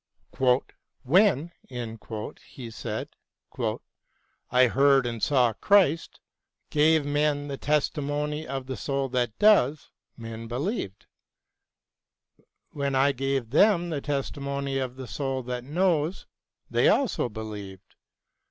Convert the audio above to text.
BROWNING AND LESSING 237 " When," he said, " I heard and saw Christ — gave men the testimony of the soul that does —> men believed. When I gave them the testimony of the soul that knows they also believed.